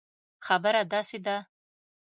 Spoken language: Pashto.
خبره داسي ده